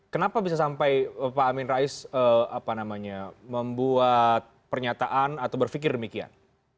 kenapa bisa sampai pak amin rais membuat pernyataan atau berpikir demikian